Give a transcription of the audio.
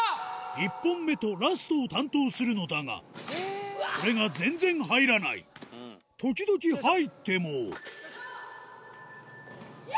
１本目とラストを担当するのだがこれが全然入らない時々入っても嫌！